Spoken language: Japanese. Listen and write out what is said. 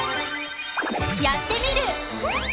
「やってみる。」。